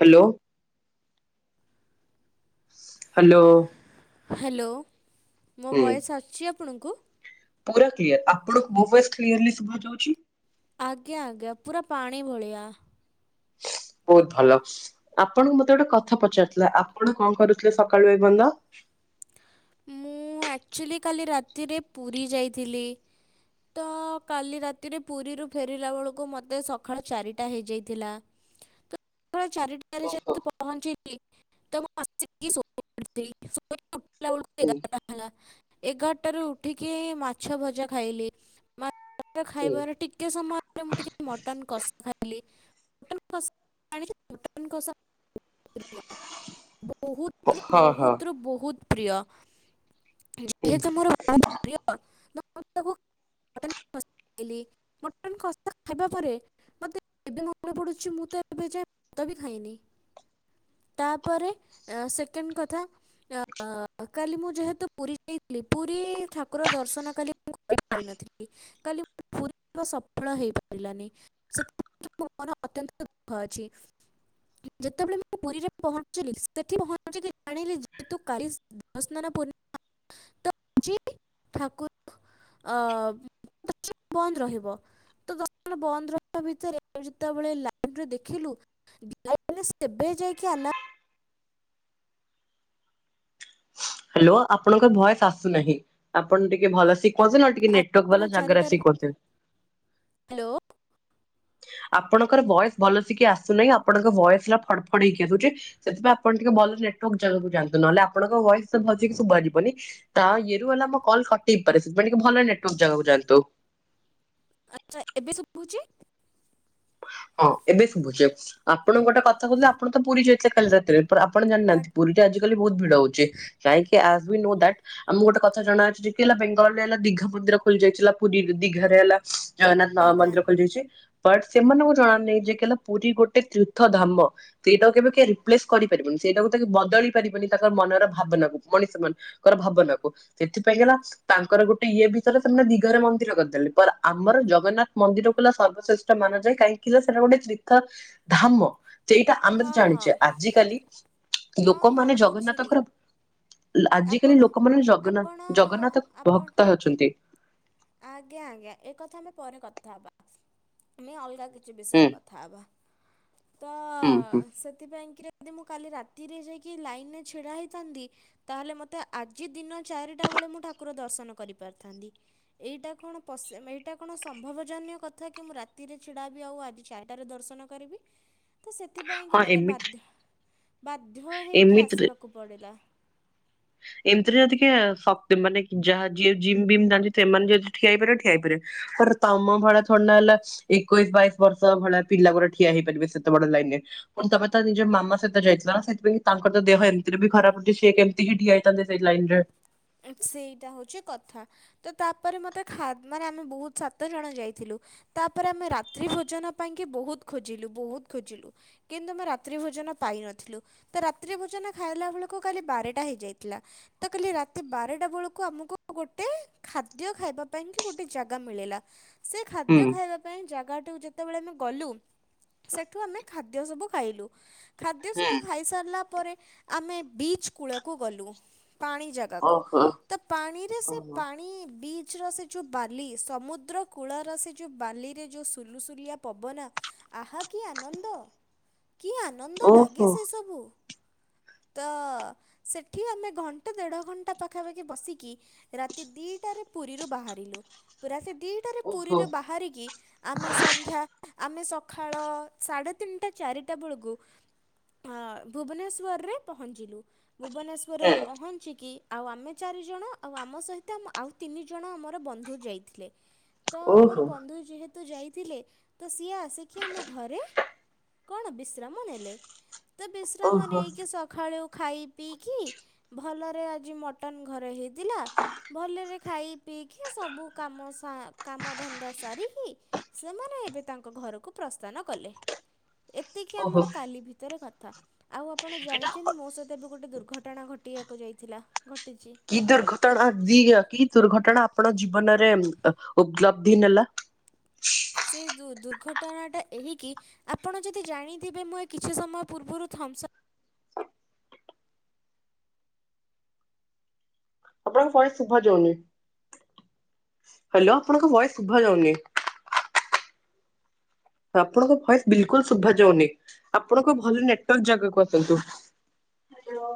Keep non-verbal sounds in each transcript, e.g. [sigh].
Hello. Hello. Hello ମୋ ହୁଁ। Voice ଆସିଛି ଆପଣଙ୍କୁ? ପୁରା କ୍ଳିଅର ଆପଣଙ୍କୁ ମୋ ଭଏସ କ୍ଳିଅର୍ଲି ଶୁଭାଜାଉଛି। ଆଜ୍ଞା ଆଜ୍ଞା ପୁରା ପାଣି ଭଳିଆ। ହ [inaudible] ବହୁତ ଭଲ ଆପଣଙ୍କୁ ମତେ ଗୋଟେ କଥା ପଚାରୁଥିଲା ଆପଣ କଣ କରୁଥିଲେ ସକାଳୁ ଏପର୍ଯ୍ୟନ୍ତ। ହ [inaudible] ମୁଁ ଆକ୍ଚୁଲି କାଲି ରାତିରେ ପୁରୀ ଯାଇଥିଲି। ତ କାଲି ରାତିରେ ପୁରୀରୁ ଫେରିଲା ବେଳକୁ ମୋତେ ସକାଳ ଚାରିଟା ହେଇଯାଇଥିଲା। ତ ଚାରିଟାରେ ଓହୋ ଯେମିତି ପହଞ୍ଚିଲି ତମୁଁ ଆସିକି ସୋଇପଡ଼ି [inaudible] ଥିଲି ଉଠିଲା ବେଳ କୁ ହୁଁ ଏଗାରଟା ହେଲା ଏଗାରଟାରୁ ଉଠିକି ମାଛ ଭଜା ଖାଇଲି ମାଛ ହୁଁ ଖାଇବାର ଟିକେ ସମାୟ ମୁଁ ଟିକେ ମଟନ୍ କଷା ଖାଇଲି ମଟନ କଷା [unintelligible] କଷା ବହୁତ ରୁ ହଁ ହଁ ବହୁତ ରୁ ବହୁତ ପ୍ରିୟ ହୁଁ। ଯେହେତୁ ମୋର ବହୁତ ପ୍ରିୟ [unintelligible] ମଟନ କ ଖାଇଲି ମଟନ୍ କଷା ଖାଇବା ପରେ ମତେ ଏବେ ମନେ ପଡୁଚି ମୁଁ ତ ଏବେ ଯାଏ ଭାତ ବି ଖାଇନି ତାପରେ ସେକଣ୍ଡ କଥା ଅଁ ଅ କାଲି ମୁଁ ଯେହେତୁ ପୁରୀ ଯାଇଥିଲି ପୁରୀ ଠାକୁର ଦର୍ଶନ କାଲି କରି ପାରିନଥିଲି କାଲି ପୁରୀ ସଫଳ ହେଇପାରିଲାନି ସେଥିପାଇଁ ମୋ ମନ ଅତ୍ୟନ୍ତ ଦୁଃଖ ଅଛି ଯେତେବେଳେ ମୁଁ ପୁରୀରେ ପହଞ୍ଚିଲି ସେଠି ପହଞ୍ଚିକି ଜାଣିଲି ଯେହେତୁ କାଲି ଦେବସ୍ନାନ ପୁର୍ଣିମା ତ ଯେ ଠାକୁର ଅ ବନ୍ଦ ରହିବ ତ ଦର୍ଶନ ବନ୍ଦ ରହିବା ଭିତରେ ଯେତେବେଳେ ଲାଇଭ୍ ରେ ଦେଖିଲୁ [unintelligible] ଯାଇକି ଆଲା ହ୍ୟାଲୋ ଆପଣଙ୍କ ଭଏସ ଆସୁନାହିଁ ଆପଣ ଟିକେ ଭଲ ସେ କ ନହଲେ ଟିକେ ଆଜି ନେଟୱାର୍ ଦିନ ବାଲା ଜାଗାରେ ଚାରିଟାରେ ଆସିିକ କରଦିଅନ୍ତୁ। ହ୍ୟାଲୋ ଆପଣଙ୍କର ଭଏସ୍ ଭଲସିକି ଆସୁନାହିଁ ଆପଣଙ୍କ ଭଏସ୍ ହେଲା ଫଡ ଫଡ ହେଇକି ଆସୁଛି ସେଥିପାଇଁ ଆପଣ ଟିକେ ଭଲ ନେଟୱାର୍କ ଜାଗା କୁ ଯାଆନ୍ତୁ ନହଲେ ଆପଣଙ୍କ ଭଏସ୍ ସେ ଭଲସେ କି ଶୁବା ଯିବନି ତା ଇଏରୁ ହେଲା ଆମ କଲ କଟି ପାରେ ସେଥିପାଇଁ ଟିକେ ଭଲ ନେଟୱର୍କ ଜାଗାକୁ ଯାଆନ୍ତୁ। ହ ଆଚ୍ଛା ଏବେ ସୁୁଭୁଚି? ହଁ ଏବେ ଶୁଭୁଛି ଆପଣ କୁ ଗୋଟେ କଥା କହୁଥିଲେ ଆପଣ ତ ପୁରୀ ଯାଇଥିଲେ କାଲି ରାତିରେ ପର ଆପଣ ଜାଣିନାହାନ୍ତି ପୁରୀ ଆଜିିକାଲି ବହୁତ ଭିଡ଼ହଉଛି କାହିଁକି ଆ ବି ନୋ ଦାଟ୍ ଆମକୁ ଗୋଟେ କଥା ଜଣାଅଛି କି ହେଲା ବେଙ୍ଗାଲୁରେ ହେଲା ଦୀଘା ମନ୍ଦିର ଖୋଲି ଯାଇଥିଲା ପୁରୀ ଦୀଘରେ ହେଲା ଜଗନ୍ନାଥ ମ ଆଜ୍ଞା। ମନ୍ଦିର ଖୋଲିଯାଇଚି ବଟ ସେମାନଙ୍କୁ ଜଣା ନାହିଁ ଯେ କି ହେଲା ପୁରୀ ଗୋଟେ ତୀର୍ଥ ଧାମ ସେଇଟାକୁ କେବେ କିଏ ରିପ୍ଲେସ କରିପାରିବେନି ସେଇଟାକୁ ଟାକି ବଦଳି ପାରିବନି ତାଙ୍କର ମନର ଭାବନା କୁ ମଣିଷ ମାନଙ୍କର ଭାବନାକୁ ସେଥିପାଇଁ ହେଲା ତାଙ୍କ ଗୋଟେ ଇଏ ଭିତରେ ସେମାନେ ଦିଘା ରେ ମନ୍ଦିର କରିଦେଲେ ପର ଆମର ଜଗନ୍ନାଥ ମନ୍ଦିର କଲା ସର୍ବଶ୍ରେଷ୍ ଟା ମାନ ଯାଏ କାହିଁକି ନା ସେଟା ଗୋଟେ ତୀର୍ଥ ଧାମ ସେଇଟା ଆମେ ହଁ ତ ହଁ ଜାଣିଛେ ଆଜିକାଲି ହଁ ହଁ ଲୋକମାନେ ବୁଝିଲି ଜଗନ୍ନାଥଙ୍କର ଲ ଆପଣ ଆଜିକାଲି ଲୋକମାନେ ଆପଣ ଜଗନ୍ନାଥ ଜଗନ୍ନାଥ ଆପଣ ଭକ୍ତ ଅଛନ୍ତି ଆଜ୍ଞା ଆଜ୍ଞା ଏକଥା ଆମେ ପରେ କଥା ହବା ଆମେ ଅଲଗା କି ଚି ହୁଁ ବିଷୟରେ କଥା ହେବା। ତ ହୁଁ ହୁଁ ସେଥିପାଇଁ କି ରେ ଯଦି ମୁଁ କାଲି ରାତିରେ ଯାଇକି ଲାଇନରେ ଛିଡା ହେଇଥାନ୍ତି ତାହେଲେ ମତେ ଆଜି ଦିନ ଚାରିଟା ଳେ ମୁଁ ଠାକୁର ଦର୍ଶନ କରି ପାରିଥାନ୍ତି ଏଇଟା କଣ ପସ ଏଇଟା କଣ ସମ୍ଭବଜନ୍ୟ କଥା କି ମୁଁ ରାତ ରାତିରେ ଛିଡ଼ା ହେବି ଆଉ ଆଜି ଚାରିଟାରେ ଦର୍ଶନ କରିବି। ତ ସେଥିପାଇଁକି ହଁ ମୋତେ ଏମିତି ବାଧ୍ୟ ବାଧ୍ୟ ହୋଇକି ଏମିତିରେ ଆସିବାକୁ ପଡ଼ିଲା ଏମିତିରେ ଯଦି କିଏ ସବ ମାନେ ଯାହା ଯିଏ ଜିମ୍ ବିମ୍ ଜାଣିଚି ସେମାନେ ଯଦି ଠିଆଇପାରିବେ ଠିଆଇ ପାରେବେ ତାପରେ ତମ ଭଳିଆ ଥୋଡୀ ନା ହେଲା ଏକୋଇଶି ବାଇଶି ବର୍ଷ ଭଳିଆ ପିଲା ଗୁରା ଠିଆ ହେଇପାରିବେ ସେତେ ବଡ଼ ଲାଇନ ନିରେ ତା ପରେ ତମ ତ ନିଜ ମାମା ସହିତ ଯାଇଥିଲ ନା ସେଥିପାଇଁ ତାଙ୍କର ତ ଦେହ ଏମିତିରେ ବି ଖରାପ ହଉଛି ସେ କେମତି ହି ଠିଆ ନ୍ତେ ସେଇଟ ଲାଇନରେ ସେଇଟା ହଉଛି କଥା ତ ତାପରେ ମତେ ଖା ମାନେ ଆମେ ବହୁତ ସାତ ଜଣ ଯାଇଥିଲୁ ତାପରେ ଆମେ ରାତ୍ରି ଭୋଜନ ପାଇଁ ବହୁତ ଖୋଜିଲୁ ବହୁତ ଖୋଜିଲୁ କିନ୍ତୁ ଆମ ରାତ୍ରି ଭୋଜ ନ ପାଇନଥିଲୁ ରାତ୍ରି ଭୋଜନ ଖାଇଲା ବେଳକୁ କାଲି ବାରଟା ହେଇଜାଇଥିଲା ତ କାଲି ରା ତେ ବାରଟା ବେଳକୁ ଆମକୁ ଗୋଟେ ଖାଦ୍ୟ ଖାଇବା ପାଇଁ କି ଗୋଟେ ଜାଗା ମିଳିଲା ସେ ହୁଁ ଖାଦ୍ୟ ଖାଇବା ପାଇଁ ଜାଗା ଯେତେବେଳେ ଆମେ ଗଲୁ ସେଠୁ ଆମେ ଖାଦ୍ୟ ସବୁ ଖାଇଲୁ। ଖାଦ୍ୟ ହୁଁ ସବୁ ଖାଇ ସାରିଲା ପରେ ଆମେ ବିଚ୍ କୂଳକୁ ଗଲୁ ପାଣି ଯାଏଁ। କୁ ଓହୋ ପାଣିରେ ସେ ଓହୋ ପାଣି ବି ଚ୍ ସେ ଯୋଉ ବାଲି ସମୁଦ୍ର କୂଳ ର ସେ ଯୋଉ ବାଲିରେ ଯୋଉ ସୁଲସୁଲିଆ ପବନା। ଆଃ କି ଆନନ୍ଦ। ହ କି ଆନନ୍ଦ ଲାଗେ ସେସବୁ ତ ସେଠି ଆମେ ଘଣ୍ଟେ ଦେଢ ଘ ଣ୍ଟା ପାଖାପାଖି ବସିକି ରାତି ଦିଇଟାରେ ପୁରୀରୁ ବାହାରିଲୁ ପୁରା ଦିଇଟାରେ ଓହୋ ହୁଁ ପୁରୀରେ ବାହାରିକି ଆମେ ସନ୍ଧ୍ୟା ଆମେ ସକାଳ ସାଢେ ତିନିଟା ଚାରିଟା ବେଳକୁ ଅ ଭୁବନେଶ୍ୱରରେ ପହଞ୍ଚିଲୁ ଭୁବନେଶ୍ୱରରେ ପହଞ୍ଚିକି ଆଉ ଆମେ ଚାରିଜଣ ଆଉ ଆମ ସହିତ ଆମ୍ ଆଉ ତିନି ଜଣ ଆମର ବନ୍ଧୁ ଯାଇଥିଲେ। ତ ଆମର ଓହୋ ବନ୍ଧୁ ଯେହେତୁ ଯାଇଥିଲେ ତ ସିଏ ଆସେ କିି ଆମ ଘରେ କଣ ବିଶ୍ରାମ ନେଲେ ତ ବିଶ୍ରାମ ଓହୋ ନେଇକି ସଖାଳୁ ଖାଇ ପିଇକି ଭଲରେ ଆଜି ମଟନ ଘରେ ହେଇଥିଲା ଭଲରେ ଖାଇ ପିଇକି ସବୁ କାମ ସା କାମ ଧ ନ୍ଦା ସାରିକି ସେମାନେ ଏବେ ତାଙ୍କ ଘରକୁ ପ୍ରସ୍ଥାନ କଲେ। ଁ ଏତିକି ଆମର କାଲି ଭିତରେ କଥା ଆଉ ଆପଣ ଜାଣିଚନ୍ତି ମୋ ସହିତ ଏବେ ଗୋଟେ ଦୁ ର୍ଘଟଣା ଘଟିବାକୁ ଯାଇଥିଲା। ଘଟିଛି। କି ଦୁର୍ଘଟଣା ଦିଅ କି ଦୁର୍ଘଟଣା ଆପଣ ଜି ବନରେ ଉପଲବ୍ଧି ନେଲା। ସେ ଦୁ-ଦୁର୍ଘଟଣା ଟା ଏହିକି ଆପଣ ଯଦି ଜାଣିଥିବେ ମୁଁ କିଛି ସମୟ ପୂର୍ବରୁ ଥମ୍ ସ ଆପଣଙ୍କ ଭ‌ଏସ ଶୁଭାଯାଉନି। ହାଲୋ ଆପଣଙ୍କ ଭଏସ ଶୁଭା ଯାଉନି। ଆପଣଙ୍କ ଭଏସ ବିଲକୁଲ ଶୁଭା ଯାଉନି ଆପଣଙ୍କ ଭଲ ନେଟୱାର୍କ ଜାଗାକୁ ଆସନ୍ତୁ। Hello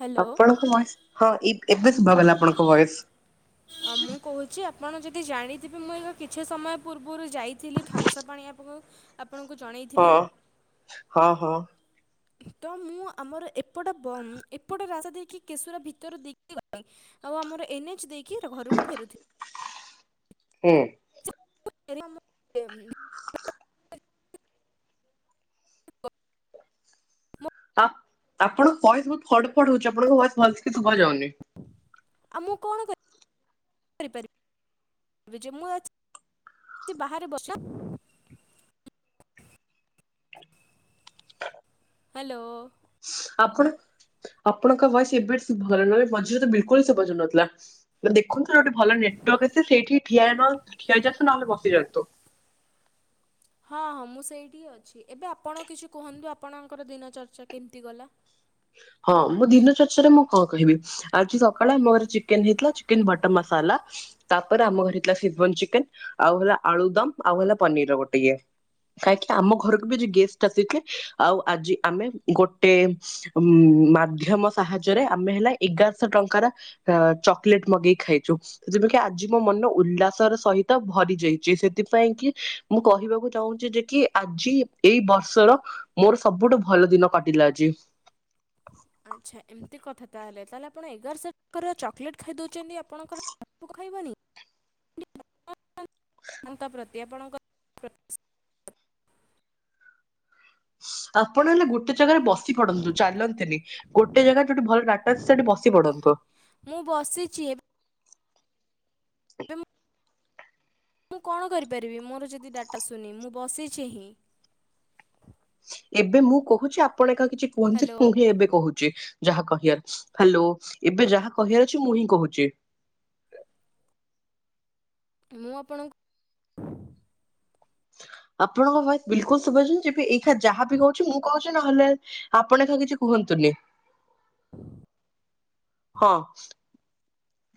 hello. ଆପଣଙ୍କ ଭଏସ ହଁ ଏ-ଏବେ ଶୁଭାଗଲା ଆପଣଙ୍କ ଭଏସ। ଜାଣିଥିବି ମୁଁ ଏକ କିଛି ସମୟ ପୂର୍ବରୁ ଯାଇଥିଲି ଥମସପ୍ ଆଣୀବାକୁ। ହଁ ହଁ ହଁ। ତ ମୁଁ ଆମର ଏପଟ ବ ଏପଟ ରାସ୍ତା ଦେଇକି କେଶୁର ଭିତରୁ ଦେଇକି ଗଲି। ଆଉ ଆମର ଏନ୍ଏଚ୍ ଦେଇକି ଘରକୁ ଫେରୁଥି ହୁଁ। [inaudible] ହଃ ମୋ ଆପ୍ ଆପଣଙ୍କ ଭଏସ ବୋହୁତ ଫଡ ଫଡ ହୋଉଚି ଆପଣଙ୍କ ପ- ଭଏସ ଭଲସେ କିଛି ଶୁଭା ଯାଉନି। ଆଉ ମୁଁ କଣ କରି ପାରିବି। ଏବେ ମୁଁ ବାହାରେ ବର୍ଷା [inaudible] ହ୍ୟାଲୋ। ଆପଣ ଆପଣଙ୍କ ଭ‌ଏସ ଏବେ ଶୁଭ ଗଲା ନହେଲେ ମଝିରେ ତ ବିଲକୁଲ ଶୁବାଜାଉ ନଥିଲା ଦେଖନ୍ତୁ ଗୋଟେ ଭଲ ନେ ଟୱର୍କ ସେଇଠି ଠିଆ ହେବ [unintelligible] ନହେଲେ ବସିଯାଆନ୍ତୁ। ହଁ ହଁ ମୁଁ ସେଇଠି ଅଛି ଏବେ ଆପଣ କିଛି କୁହନ୍ତୁ ଆପଣଙ୍କର ଦିନ ଚର୍ଚ୍ଚା କେମିତି ଗଲା। ହଁ ମୁଁ ଦିନ ଚର୍ଚ୍ଚାରେ ମୁଁ କଣ କହିବି ଆଜି ସକାଳେ ଆମ ଘରେ ଚିକେନ ହେଇଥିଲା ଚିକେନ ବଟର ମସଲା ତାପରେ ଆମ ଘରେ ହେଇଥିଲା [unintelligible] ଚିକେନ ଆଉ ହେଲା ଆଳୁଦମ୍ ଆଉ ହେଲା ପନିର ଗୋଟେ ଇଏ କାହିଁକି ଆମ ଘରକୁ ବି ଆଜି ଗେଷ୍ଟ ଆସିଥିଲେ ଆଉ ଆଜି ଆମେ ଗୋଟେ ଉଁ ମାଧ୍ୟମ ସାହାଯ୍ୟରେ ଆମେ ହେଲା ଏଗାରଶହ ଟଙ୍କାର ଚକୋଲେଟ୍ ମଗେଇ ଖାଇଚୁ। ଯେମତି ଆଜି ମୋ ମନ ଉଲ୍ଲାସର ସହିତ ଭରି ଯାଇଚି ସେଥିପାଇଁ କି ମୁଁ କହିବାକୁ ଚାହୁଁଚି ଯେ କି ଆଜି ଏଇ ବର୍ଷର ମୋର ସବୁଠୁ ଭଲ ଦିନ କାଟିଲା ଆଜି। ଆଚ୍ଛା ଏମିତି କଥା ତାହେଲେ ତାହେଲେ ଆପଣ ଏଗାରଶହ କାର ଚକୋଲେଟ୍ ଖାଇଦଉଛନ୍ତି। ଆପଣଙ୍କର ଆକୁ ଖାଇବନି। ହ ତାଙ୍କ ପ୍ରତି ଆପଣଙ୍କର [unintelligible] ଆପଣ ହେଲେ ଗୋଟେ ଜାଗାରେ ବସି ପଡନ୍ତୁ ଚାଲନ୍ତୁନି। ଗୋଟେ ଜାଗାରେ ଯୋଉଠି ଭଲ ଡାଟା ଅଛି। ସେଇଠି ବସି ପଡନ୍ତୁ। ପଶିଚି ଏବ ସେ [inaudible] ମୁଁ କଣ କରିପାରିବି ମୋର ଯଦି ଡାଟା ଶୁନି ମୁଁ ବସିଚି ହିଁ। ଏବେ ମୁଁ କୋହୁଛି ଆପଣ ଏକା କିଛି କୁହନ୍ତୁନି। ହ୍ୟାଲୋ ମୁଁ ହିଁ ଏବେ କୋହୁ ଚି ଯାହା କହିଆର ହାଲୋ ଏବେ ଯାହା କହିଆର ଅଛି। ମୁଁ ହିଁ କୋହୁଚି। ହ [inaudible] ମୁଁ ଆପଣ ହ [unintelligible] ଆପଣଙ୍କ ଭଏସ ବିଲକୁଲ ସୁଭାଯାଉଚି। କି ଏଇଖିଣା ଯାହା ବି ହୋଉଚି ମୁଁ କହୁଚି। ନହେଲେ ଆପଣ ଏକା କିଛି କୁହନ୍ତୁନି। ହ [inaudible] ହୁଁ [inaudible] ହଁ।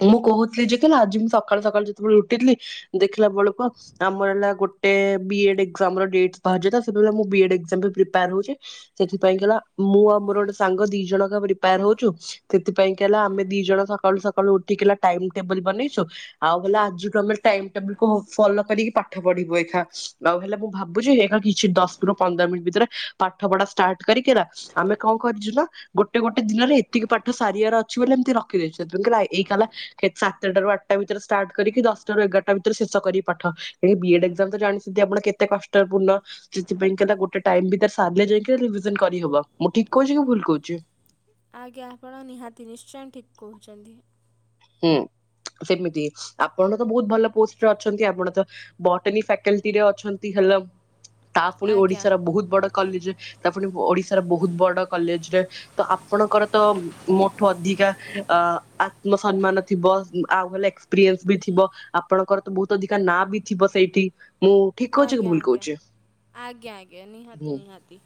ମୁଁ କୋହୁଥିଲି ଯେକି ମୁଁ ଆଜି ବି ସଖାଳୁ ସକାଳୁ ଯେତେବେଳେ ଉଠିଥିଲି। ଦେଖିଲା ବେଳକୁ ଆମର ହେଲା। ଗୋ ଗୋଟେ ବି ଏ ଡ ଏକଜାମ୍ ର ଡେଟ୍ ବାହାରିଯାଇ ତ ସେତେବେଳେ ମୁଁ ବି ଏ ଡ୍ ଏକଜମ୍ ପାଇଁ ପ୍ରିପାଇଅର୍ ହୋଉଚି। ସେଥିପାଇଁ କି ହେଲା ମୁଁ ଆଉ ମୋର ଗୋଟେ ସାଙ୍ଗ ଦି ଜଣ ଆକ ପ୍ରିପାୟାର ହୋଉଚୁ। ସେଥିପାଇଁ କି ହେଲା ଆମେ ଦି ଜଣ ସକାଳୁ ସକାଳୁ ଉ ଟିକ୍ ହେଲା ଟାଇମ ଟେବୁଲ ବନେଇଚୁ। ଆଉ ହେଲା ଆଜି କାଲି ଟାଇମ ଟେବୁଲ କୁ ମୁଁ ଫଲୋ କରିକି ପାଠ ପଢିବୁ। ଏ ଖା ଆଉ ହେଲା ମୁଁ ଭାବୁଚି। ଏକା କିଛି ଦଶରୁ ପନ୍ଦର ମିନ୍ ଭିତରେ ପାଠ ପଢା ଷ୍ଟାର୍ଟ କରିକିରା। ଆମେ ଙ୍କ କରିଚୁ ନା ଗୋଟେ ଗୋଟେ ଦିନରେ ଏତିକି ପାଠ ସାରିଆର ଅଛି ବୋଲି ଏମତି ରଖିଦେଇଛୁ। ସେ ଦିନ କୁ ଲାଇ ଏଇ କାଲା କେତ୍ ସାତଟାରୁ ଆଟା ଭିତରେ ଷ୍ଟାର୍ଟ କରିକି ଦଶଟାରୁ ଏଗାରଟା ଭିତରେ ଶେଷ କରିବି ପାଠ। ଏଇ ବି ଏ ଡେ ଜଲ୍ ତ ଜାଣିଚନ୍ତି ଆପଣ କେତେ କଷ୍ଟପୂଣ୍ଣ। ସେଥିପାଇଁ କି ହେଲା ଗୋଟେ ଟାଇମ୍ ଭିତରେ ସାରଲେ ଯାଇକି ରିଭିଯନ୍ କରିହବ। ବ ମୁଁ ଠିକ କଇଚି କି ଭୁଲ କୋଇଚି। ଆଜ୍ଞା ଆପଣ ନିହାତି ନିଶ୍ଚୟ ଠିକ୍ କୋହୁଚନ୍ତି। ହୁଁ। ସେମିତି ଆପଣ ତ ବହୁତ ଭଲ ପୋଷ୍ଟରେ ଅଛନ୍ତି। ଆପଣ ତ ବଟନୀ ଫାକେଲ୍ଟି ରେ ଅଛନ୍ତି। ହେ ହେଲମ୍ ତା ପୁଣି ଆଜ୍ଞା ଓଡିଶାର ବୋହୁତ ବଡ କଲିଜେ। ତା ପୁଣି ଓଡ଼ିଶା ସାର ବହୁତ୍ ବଡ କଲେଜରେ ତ ଆପଣଙ୍କର ତ ମୋଠୁ ଅଧିକା ଆ ଆ ସମ୍ମାନ ଥିବ ଆଉ ହେଲା ଏକ୍ସପ୍ରିଏନସ୍ ବି ଥିବ। ଆପଣଙ୍କର ତ ବୋହୁତ ଅଧିକା ନାଁ ବି ଥିବ ସେଇଠି। ମୁଁ ଠିକ କହୁଛି କି ଆଜ୍ଞା ଭୁଲ ଆଜ୍ଞା କହୁଛି ଆଜ୍ଞା ଆଜ୍ଞା ହୁଁ ନିହାତି ନିହାତି।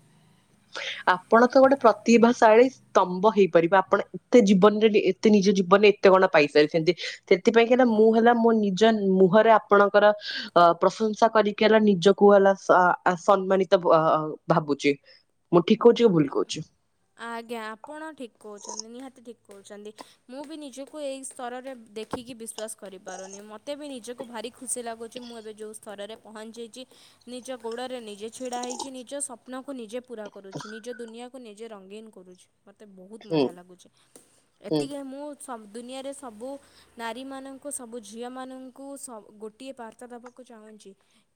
ଆପଣ ତ ଗୋଟେ ପ୍ରତିଭାଶାଳୀ ସ୍ତମ୍ଭ ହେଇପାରିବେ। ଆପଣ ଏତେ ଜୀବନ ନେଲେ ଏତେ ନିଜ ଜୀବନରେ କେତେ କଣ ପାଇସାରିଚନ୍ତି। ସେଥିପାଇଁ କି ହେଲା ମୁଁ ହେଲା ମୋ ନିଜ ମୁହଁରେ ଆପଣଙ୍କର ପ୍ରସନ୍ ପ୍ରଶଂସା କରିକି ହେଲା ନିଜକୁ ହେଲା ସା ଆ ସମ୍ମାନିତ ଭା ଆ ଭାବୁଚି। ମୁଁ ଠିକ କୋଉଚି କି ଭୁଲ କୋଉଚି। ଆଜ୍ଞା ଆପଣ ଠିକ କୋଉଚନ୍ତି। ନିହାତି ଠିକ କୋଉଚନ୍ତି। ମୁଁ ବି ନିଜକୁ ଏଇ ସ୍ତରରେ ଦେଖିକି ବିଶ୍ୱାସ କରିପାରୁନି। ମୋତେ ବି ନିଜକୁ ଭାରି ଖୁସି ଲାଗୁଚି। ମୁଁ ଏବେ ଯେଉଁ ସ୍ତରରେ ପହଞ୍ଚିଯାଇଚି। ନିଜ ଗୋଡରେ ନିଜେ ଛିଡା ହେଇଚି। ନିଜ ସପ୍ନକୁ ନିଜେ ପୂରା କରୁଚି ନିଜ ଦୁନିଆକୁ ନିଜେ ରଙ୍ଗୀନ କରୁଛି। ମତେ ବୋହୁତ ହୁଁ ମଜା ଲାଗୁଚି। ହୁଁ। ଏତିକି ହେ ମୁଁ ସବ ଦୁନିଆରେ ସବୁ ନାରୀମାନଙ୍କୁ ସବୁ ଝିଅମାନଙ୍କୁ ସ ଗୋଟିଏ ପାର୍ତ୍ତା ଦବାକୁ କୁ ଚାହୁଁଚି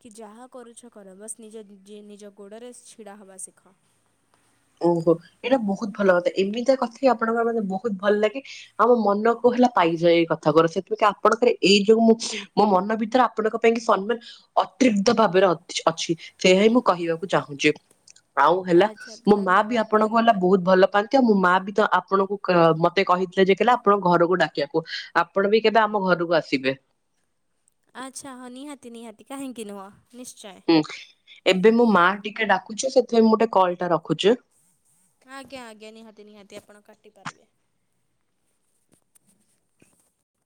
କି ଯାହା କରୁଛ କର ବାସ୍ ନିଜ ଜି ନିଜ ଗୋଡରେ ଛିଡା ହବା ଶିଖ। ହ [inaudible] ଓହୋ ଏଇଟା ବହୁତ ଭଲ କଥା ଏମିତିଆ କଥା ହି ଆପଣଙ୍କର ମତେ ବୋହୁତ୍ ଭଲ ଲାଗେ। ଆମ ମନ କହଥିଲା। ପା ପାଇଯାଏ ଏଇ କଥାକୁରା ସେଥିପାଇ କି ଆପଣଙ୍କର ଏଇ ଯୋଉ ମୁଁ ମୋ ମନ ଭିତରେ ଆପଣଙ୍କ ପାଇଁ କି ସମ୍ମାନ ଅତ ଅତ୍ରିଗ୍ଧ ଭାବେରେ ଅଛ ଅଛି। ସେଇଆ ହିଁ ମୁଁ କହିବାକୁ ଚାହୁଁଚି। ଆଉ ହେଲା ଆଚ୍ଛା ମୋ ମା ବି ଧନ୍ୟବାଦ ଆପଣଙ୍କୁ ହେଲା ଧନ୍ୟବାଦ ବହୁତ୍ ଭଲ ପାଆନ୍ତା। ମୋ ମା ବି ତ ଆପଣଙ୍କୁ କ ମତେ କହିଥିଲେ ଯେ ଥିଲା ଆପଣ ଘରକୁ ଡାକିଆକୁ ଆପଣ ବି କେବେ ଆମ ଘ ରୁକୁ ଆସିବେ। ଆଚ୍ଛା ହ ନିହାତି ନିହାତି କାହିଁକି ନୁହଁ ନିଶ୍ଚଏ। ହୁଁ ଏବେ ମୋ ମା ଟିକେ ଡାକୁଛି ସେଥିପାଇଁ ମୁଁ ଟେ କଲ ଟା ରଖୁଚି। ଆଜ୍ଞା ଆଜ୍ଞା ନିହାତି ନିହାତି ଆପଣ କାଟି ପାରିବେ। [inaudible]